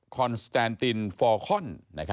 คอนสแตนตินฟอร์คอน